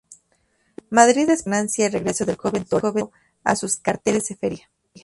Madrid esperaba con ansia el regreso del joven torero a sus carteles de feria.